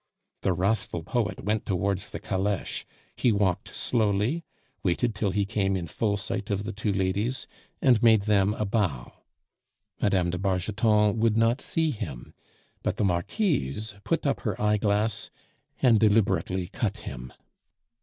The wrathful poet went towards the caleche; he walked slowly, waited till he came in full sight of the two ladies, and made them a bow. Mme. de Bargeton would not see him; but the Marquise put up her eyeglass, and deliberately cut him.